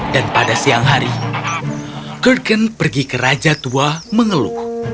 dan pada siang hari kurgen pergi ke raja tua mengeluh